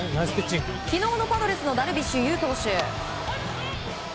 昨日のパドレスのダルビッシュ投手。